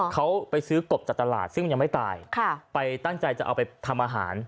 เขาไปซื้อกบจากตลาดซึ่งมันยังไม่ตายไปตั้งใจจะเอาไปทำอาหาร